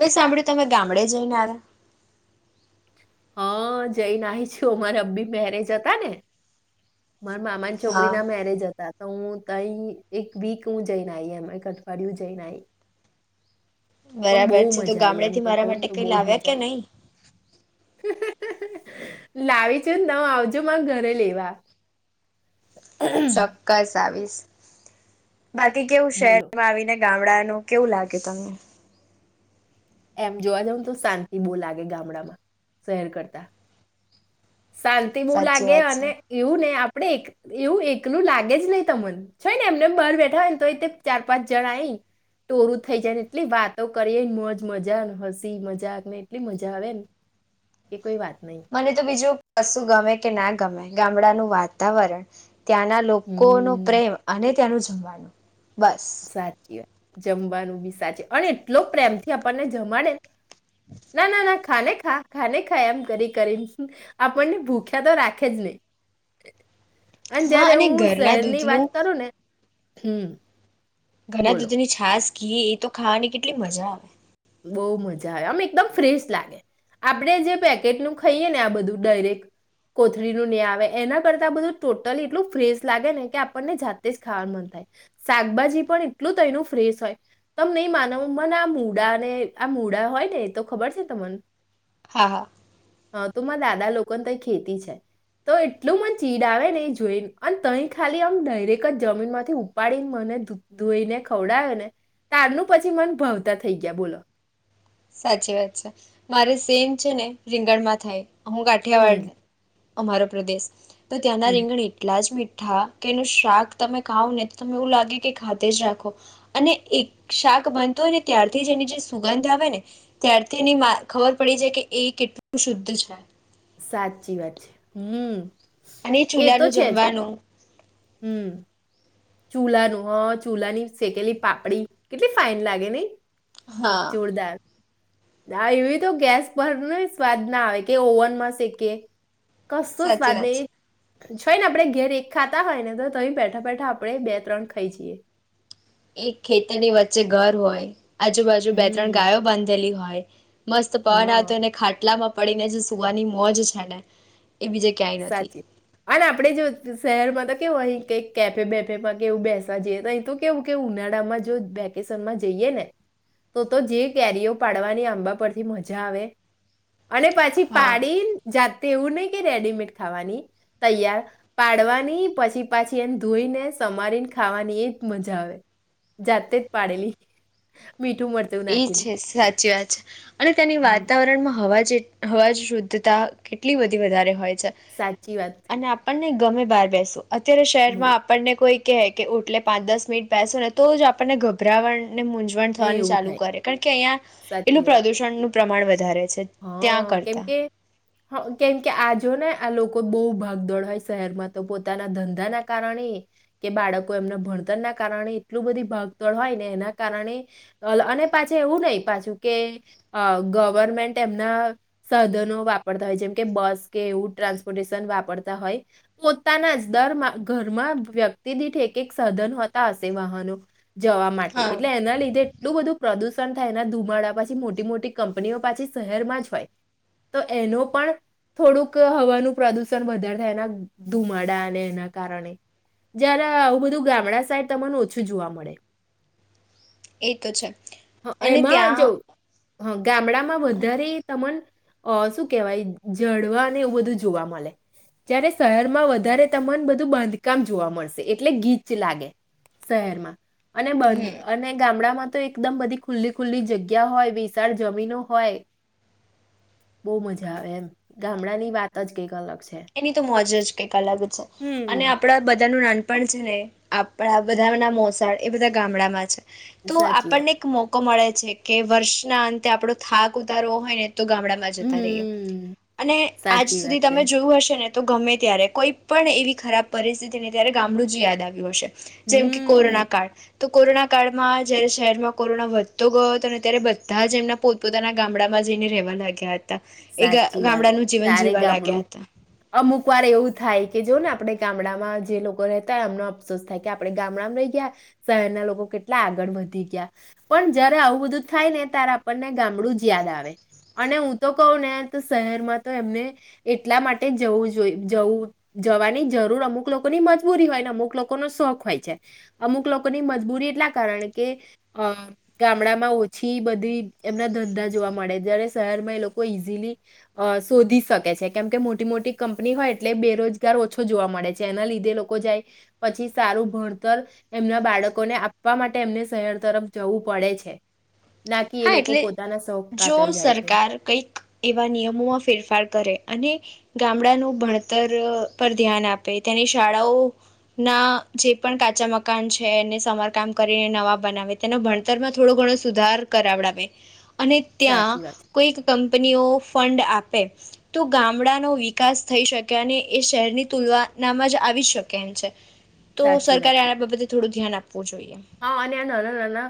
મેં સાંભળ્યું તમે ગામડે જઈને આવ્યા. હા જઈ ને આઈ છું અમારા અભી મેરેજ હતા ને મારા મામાની છોકરી હા ના મેરેજ હતા. તો તાઈ એક વીક હું જઈન આઈ એનું એક અઠવાડિયુ જઈન આઈ. બરાબર છે તો આવી એમ ગામડેથી તો મારા કહું ને માટે તો કઈ બહુ જ લાવ્યા કે મજા નહી? લાવી છું ન આવજો મારાં ઘરે લેવા. ચોક્કસ આવીશ. બાકી કેવું બોલો શહેરમાં આવીને? ગામડાનું કેવું લાગે તમને? એમ જોવા જઉ તો શાંતિ બહ લાગે ગામડામાં શહેર કરતા. શાંતિ બવ સાચી લાગે વાત અને છે એવું ને આપ આપણે એક એવું એકલું લાગે જ નહીં તમને છે ને એમને બહાર બેઠા હોય ને તો એ ચાર પાંચ જણ આઈને ટોળું થઈ જાય ને એટલી વાતો કરીએને મોજ મજા હસી મજાક ને એટલી મજા આવે ને એ કોઈ વાત નહીં મને તો બીજું કશું ગમે કે ના ગમે ગામડાનું વાતાવરણ ત્યાંના લોકો નો હમ પ્રેમ અને ત્યાનું જમવાનું બસ સાચી જમવાનું બી સાચે અને એટલો પ્રેમ થી આપણને જમાડે ને ના ના ના. ખાને ખા ખાને ખા એમ કરી કરી આપણને ભૂખ્યા તો રાખે જ નહી અને હા જયારે હું ઘરના શહેરની વાત દૂધનું કરું ને હમ. ઘરના બોલો દૂધ ની છાસ ઘી એ તો ખાવાની કેટલી મજા આવે. બહુ મજા આવે આમ એકદમ ફ્રેશ લાગે આપડે જે પેકેટ નું ખાઈએ ને આ બધું ડાયરેક્ટ કોથળીનું ને આવે એના કરતા આ બધું ટોટલી એટલું ફ્રેશ લાગે ને કે આપણને જાતે જ ખાવાનું મન થાય શાકભાજી પણ એટલું તો એનું ફ્રેશ હોય તમે નહી માનો મને આમ. મડા અને આ મૂડા હોય ને એ તો ખબર છે તમને? હા હા. હા તો મારા દાદા લોકોને તય ખેતી છે તો એટલું મન ચીડ આવે ને જોઈને અને તય ખાલી આમ ડાયરેક જ જમીન માંથી ઉપાડીને મને ધોઈને ખવડાવે ને ત્યારનું પછી મન ભવતા થઈ ગયા બોલો. સાચી વાત છે મારે સેમ છે ને રીંગણમાં થાય. હું હમ કાઠિયાવાડ અમારો પ્રદેશ તો ત્યાંના હમ રીંગણ એટલા જ મી હા કે એનું શાક તમે ખાવ ને તો તને એવું લાગે કે ખાતે જ રાખો અને એક શાક બનતો હોય ને ત્યારથી જ એની જે સુગંધ આવે ને ત્યારથી એની ખબર પડી છે કે એ કેટલું શુદ્ધ છે. સાચી વાત છે હમ્મ અને એ તો ચૂલાનું છે જ. જમવાનું હમ્મ. ચૂલાનું હ ચૂલાની શેકેલી પાપડી કેટલી ફાાઈન લાગે નય હા જોરદાર ના એવી તો ગેસ પર ન સ્વાદ ના આવે કે ઓવનમાં શેકે કસો સાચી વાત [unintelligible] છોય ને આપણે ઘેર એક ખાતા હોય ને તો તય બેઠા બેઠા આપણે બે ત્રણ ખઈ જીએ. એક ખેતરની વચ્ચે ઘર હોય. આજુબાજુ બે ત્રણ હમ્મ. ગાયો બાંધેલી હોય. [inaudible] મસ્ત પવન હા આવતોને ખાટલામાં પડીને જે સુવાની મોજ છે ને. એ બીજે ક્યાંય નથી સાચી અને આપણેે જો શહેરમાં તો કેવું અહી કઈક કેફે બેફે માં કે એવું બેસવા જઈએ તો અહી તો કેવું કે ઉનાળામાં જો વેકેશન માં જઈએ ને તો તો જે કેરીઓ પાડવાની આંબા પરથી મજા આવે. અને પછી હા પાડી જા તેવું નહીં કે રેડીમેડ ખાવાની તૈયાર પાડવાની પછી પાછી એને ધોઈને સમારીને ખાવાની એજ મજા આવે જાતે જ પાડેલી મીઠું મરચું એ નાખીને છે સાચી વાત છે અને તેની હમ, વાતાવરણમાં હવા જે હવાજ શુદ્ધતા કેટલી બધી વધારે હોય. સાચી વાત અને આપણને ગમે બાર બેસો અત્યારે હમ, શહેરમાં આપણને કોઈ કે કે ઓટલે પાંચ દસ મિનિટ બેસો ને તો જ આપણને ગભરાવણ ને મૂંઝવણ ને થવાની એવું ચાલુ થાય કરે કારણ કે અહીં સાચી એટલું વાત પ્રદુષણનું પ્રમાણ વધારે છે ત્યાં કરતા હ કેમકે આજો ને આ લોકો બહુ ભાગદોડ હોય શહેરમાં તો પોતાના ધંધા ના કારણે કે બાળકો એમના ભણતર ના કારણે એટલું બધી ભાગદોડ હોય ને એના કારણે અને પાછ એવું નહી પાછું કે અ ગવર્મેન્ટ તેમના સાધનો વાપરતા હોય જેમ કે બસ કે એવું ટ્રાન્સપોર્ટેશન વાપરતા હોય પોતાના જ દર ઘરમાં વ્યક્તિ દીઠ એક એક સાધન હોતા હશે વાહનો. જવા માટે હા એટલે એના લીધે એલું બધું પ્રદૂષણ થાયના ધુમાડા પાછી મોટી મોટી કંપનીઓ પાછી શહેરમાં જ હોય તો એનો પણ થોડુંક હવાનું પ્રદુષણ વધારે થાય એના ધુમાડા અને એના કારણે જયારે આવું બધું ગામડા સાઈડ તમને ઓછું જોવા મળે. એ તો છે હ, અને એમાં જો ત્યાં હ ગામડામાં બ ધારે તમન અહ શું કેવાય જળવા ને એવું બધું જોવા મળે. જ્યારે શહેરમાં વધારે તમન બધું બાંધકામ જોવા મળશે એટલે ગીચ લાગે શહેરમાં અને બંધ અને ગામડામાં તો એકદમ બધી ખુલ્લી ખુલ્લી જગ્યા હોય વિશાળ જમીનો હોય બહું મજા આવે એમ. ગામડા ની વાત જ કઈ અલગ છે એની તો મોજ જ કંઈક અલગ અ છે. હમ અને આપડા બ બધા નું નાનપણ છે ને આપણા બધાના મોસાળ એ બધા ગામડામાં છે. તો સાચી વાત આપણને એક મો લોકો મળે છે [unintelligible] વર્ષના અંતે આપડો થાક ઉતારવો હોય ને તો ગામડામાં જતા રહીએ હમ્મ, અને આજ સાચી સુધી વાત છે. તમે હશે ને તો ગમે ત્યારે કોઈ પણ એવી ખરાબ પરિસ્થિતિ ને ત્યારે ગામડું જ યાદ આવ્યું હશે જેમ કે હમ્મ, કોરોના કાળ તો કોરોના કાળમાં જયારે શહેરમાં કોરોના વધતો ગયો હતો અને ત્યારે બધા જ એમના પોતપોતાના ગામડામાં જઈને રહેવા લાગ્યા તા એ ગામડાનું જીવન જીવવા લાગ્યા હ અમુકો વાર એવું થાય કે જો ને આપડે ગામડામાં જે લોકો રહેતા હૈ એમનો અફસોસ થાય કે આપણે ગામડામાં રહી ગયા શહેરના લોકો કેટલા આગળ વધી ગયા. પણ જયારે આવું બધું થાય ને ત્યારે આપણને ગામડું જ યાદ આવે. અને હું તો કહું ને તો શહેરમાં તો એમને એટલા માટે જવું જોઈ જવું જવાની જરૂર અમુક લોકોની મજબૂરી હોય ને અમુક લોકોનો શોખ હોય છે. અમુક લોકોની મજબૂરી એટલા કારણ કે અહ ગામડામાં ઓછી બધી એમના ધંધા જોવા મળે. જયારે શહેરમાં એ લોક કો ઈઝીલી અહ શોધી શકે છે કેમકે મોટી મોટી કંપની હોય એટલે બેરોજગાર ઓછો જોવા મળે છે એના લીધે લોકો જાય પછી સારું ભણતર એમના બાળકોને આપવા માટે એમને શહેર તરફ જવું પડે છે નાકી એ હા લોકો એટલે પોતાના શોખ જો કાતર જાય છે. સરકાર કંઈક એવા નિયમોમાં ફેરફાર કરે. અને ગામડાનું ભણતર અહ પર ધ્યાન આપે તેની શાળાઓ ના જે પણ કાચા મકાન છે એને સમારકામ કરે ને નવા બનાવે તેના ભણતરમાં થોડો ઘણો સુધાર કરાવડાવે. અને ત્યાં સાચી વાત છે. કોઈક કંપનીઓ ફંડ આપ તે તો ગામડાનો વિકાસ થઈ શકે અને એ શહેરની તુલનાનામાં જ આવી શકે એમ છે. તો સાચી વાત છે. સરકારે આના બાબતે થોડું ધ્યાન આપ હા અને નાના નાના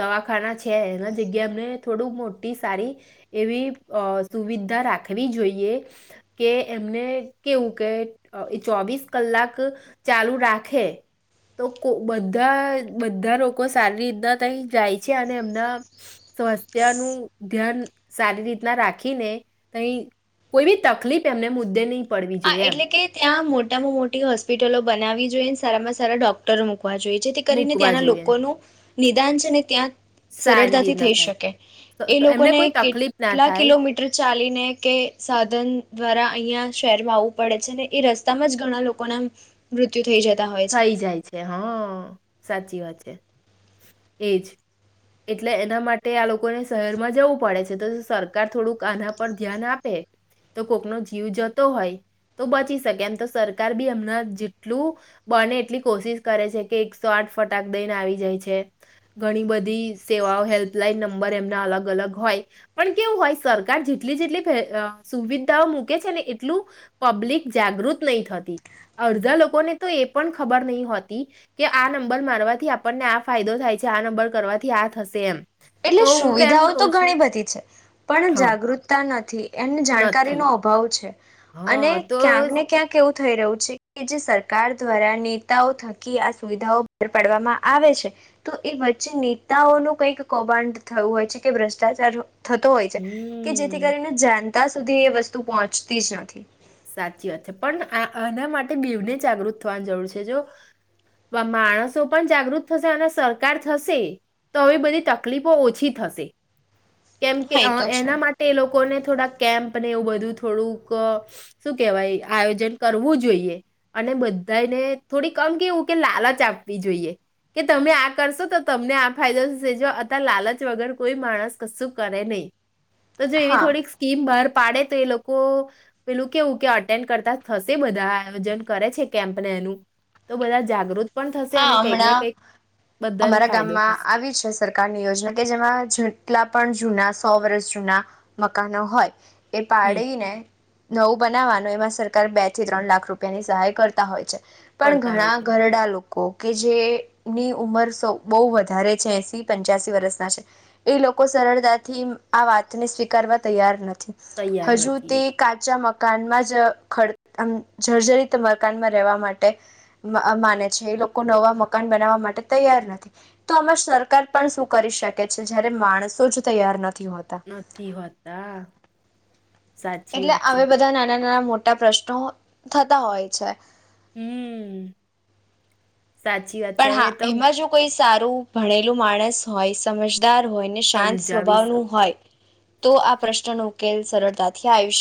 દવા ખાના છે એના જગ્યા એમને થોડું મોટી સારી એવી અહ સુવિધા રાખવી જોઈએ કે એમને કેવું કે એ ચોવીસ કલાક ચાલુ રાખે તો કો બધા બધા લોકો સારી રીતના તઈ જાય છે અને એમના સ્વાસ્થ્ય નું ધ્યાન સારી રીતના રાખીને તઈ કોઈ ભી તકલીફ એમને મુદ્દે નહીં પડવી હા જોઈએ એમ એટલે કે ત્યાં મો ટામાંમોટી હોસ્પિટલો બનાવી જોઈને સારામાં સાર ડોક્ટરો મુક વા જોઈએ જેથી કરીને મૂકવા ત્યાંના જોઈએ લોકોનું નિધાંન છેને ત્યા સારી સરળતાથી રીતના થઈ થાય શકે. તો- એ તો એમને લોકોને કોઈ તકલીફ ના કેટલા થાય કિલોમીટર ચાલી ને કે સાધન દ્વારા અહીંયા શહેરમાં આવવું પડે છે ને એ રસ્તામાં જ ઘણા લોકો ના મૃત્યુ થઈ જતા હોય છે થઈ જાય છે હ સાચી વાત છે એજ એટલે એના માટે આ લોકોને શહેરમાં જવું પડે છે તો સરકાર થોડુંક આના પર ધ્યાન આપે તો કોકનો જીવ જતો હોય તો બચી શકે એમ તો સરકાર ભી એમના જેટલું બને એટલી કોશિશ કરે છે કે એકસો આઠ ફટાક દઈને આવી જાય છે ઘણી બધી સેવાઓ હેલ્પલાઈન નંબર એમના અલગ અલગ હોય પણ કેવું હોય સરકાર જેટલી જેટલી સુવિધાઓ મૂકે છે ને એટલું પબ્લિક જાગૃત નહી થતી અડધા લોકોને તો એ પણ ખબર નહી હોતી કે આ નંબર મારવાથી આપણને આ ફાયદો થાય છે આ નંબર કરવાથી આ થશે એમ એટલે તો હું એમ સુવિધાઓ કઉ તો છું ઘણી બધી છે પણ હા જાગૃતતા નથી એને નથી જાણકારીનો અભાવ છે અને હા તો ક્યાંક હમ ને ક્યાંક એવું થઈ રહ્યું છે કે જે સરકાર દ્વારા નેતાઓ થકી આ સુવિધાઓ બહાર પાડવામાં આવે છે તો એ વચ્ચે નેતાઓ નો કઈક કૌભાંડ થયું હોય છે કે ભ્રષ્ટાચાર થતો હોય છે કે જેથી કરીને જાન ત્યાં સુધી એ વસ્તુ પહોંચતી જ નથી સાચી વાત છે પણ આ આના માટે બેવને જાગૃત થવાની જરૂર છે જો માણસો પણ જાગૃત થશે અને સરકાર થશે તો હવે બધી તકલીફો ઓછી થશે કેમ કે હા અ એ તો છે. એના માટે એ લોકોને થોડાક કેમ્પ ને એવું બધું થોડુંક શું કેહેવાય આયોજન કરવું જોઈએ અને બધાને થોડી કમ કેવું કે લાલચ આપવી જોઈએ કે તમે આ કરશો તો તમને આ ફાયદોજો અ લાલચ વગર કોઈ માણસ કશું કરે નહી. તો જો એવી હા. થોડીક સ્કીમ બહાર પાડે તો એ લોકો પેલું કેવું કે અટેન્ડ કરતા થશે બધા આયોજન કરે છે કેમ્પ ને એનું તો બધા જાગૃત પણ થશે હા અને કંઈક ને હમણાં કંઈક બધાને અમારા ફાયદો ગામમાં થશે આવી છે સરકારની યોજના કે જેમાં જેટલા પણ જુના સો વર્ષ જૂના મકાનો હોય એ હમ પાળીને નવું બનાવાનું એમાં સરકાર બે થી ત્રણ લાખ રૂપિયાની સહાય કરતા હોય છે. પણ કરતા હોય ઘણા છે ઘરડા લોકો કે જેની ઉમર બહુ વધારે છે એસી પંચ્યાસી વર્ષના છે એ લોકો સરળતાથી આ વાતને સ્વીકારવા તૈયાર નથી તૈયાર હજુ નથી તે કાચા મ મકાનમાં જ ખ આમ જર્જરીિત મકાનમાં રહેવા માટે માને એ લોકો નવા મકાન બનાવવા માટે તૈયાર નથી તો આમાં સરકાર પણ શું કરી શકે છે જયારે માણસો જ તૈયાર નથી હોતા. નથી હોતા. સાચી એટલે વાત છે હવે બધા નાના નાનામોટા પ્રશ્નો થતા હોય છે હમ સાચી વાત છે પણ હવે હા તો એમાં જો કોઈ સારું ભણેલું માણસ હોય સમજ હોય ને શાંત સ્વભાવ સમજાવીશ ન હોય તો આ પ્રશ્ન ન કેલ સરળતા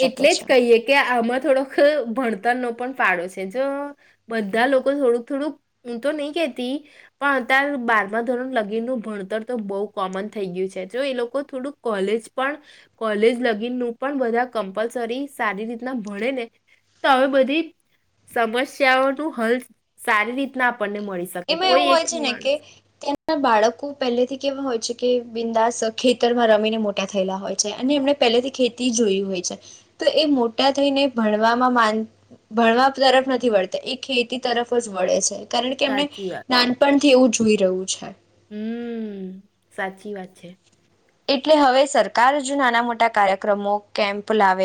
એટલે જ કહીએ કે આમાં થોડોખ ભણતરનો પણ પાળો છે. જો બધા લોકો થોડુંક થોડુંક હું તો નહી કેતી પણ અતાર બારમા ધોરણ લગીનનું ભણતર તો બોવ કોમન થઈ ગ્યું છે. જો એ લોકો થોડુંક કોલેજ પણ કોલેજ લગીનનું પણ બધા કમ્પલસરી સારી રીતના ભણેે ને તો હવે બધી સમસ્યાઓનું હલ સારી રીતના આપણને મળી શકે. કોઈ એક માણસ ના બાળકો પહેલેથી કેવા હોય છે કે બિંદાસ ખેતરમાં રમીને મોટા થયેલા હોય છે અને એમને પહેલેથી ખેતી જોઈ હોય છે. તો એ મોટા થઈને ભણવામાં માન ભણવા તરફ નથી વળતા એ ખેતી તરફ જ વળે છે. કારણ કે એમને સાચી નાનપ ણથી એવું જોઈ રહ્યું છે. હમ્મ, સાચી વાત છે. એટલે હવે સરકાર જો નાના મોટા કાર્યક્રમો, કેમ્પ લાવે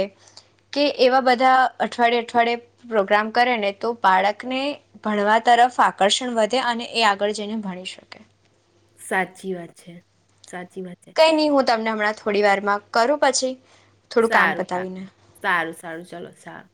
કે એવા બધા અઠવાડયે અઠવાડયે પ્રોગ્રામ કરે ને તો બાળકને ભણવા તરફ આકર્ષણ વધે અને એ આગળ જઈને ભણી શકે. સાચી વાત છે. સાચી વાત છે. કંઈ નહીં હું તમને હમણાં થોડી વારમાં કરું પછી. થોડું કામ સારું સારું પતાવીને સારું સારું ચલો સારું.